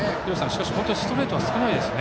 本当にストレート少ないですね。